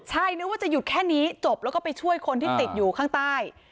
ใช่นึกว่าจะหยุดแค่นี้จบแล้วก็ไปช่วยคนที่ติดอยู่ข้างใต้